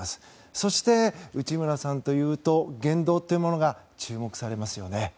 そして、内村さんというと言動というものが注目されますよね。